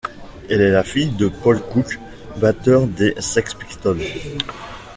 Elle est la fille de Paul Cook, batteur des Sex Pistols.